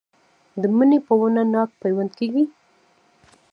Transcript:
د مڼې په ونه ناک پیوند کیږي؟